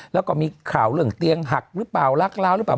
แล้วก็มีข่าวเรื่องเตียงหักหรือเปล่ารักล้าวหรือเปล่า